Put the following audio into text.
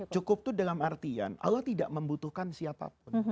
cukup itu dalam artian allah tidak membutuhkan siapapun